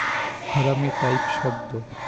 হারামি টাইপ শব্দ।